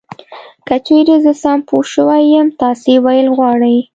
که چېرې زه سم پوه شوی یم تاسې ویل غواړی .